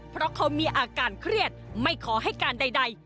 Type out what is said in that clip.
เพราะเขามีอาการเครียดไม่ขอให้การใด